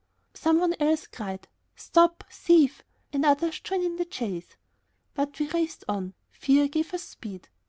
Some one else cried: "Stop thief!" and others joined in the chase. But we raced on. Fear gave us speed.